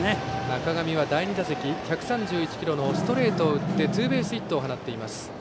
中上は、第２打席１３１キロのストレートを打ってツーベースヒットを放っています。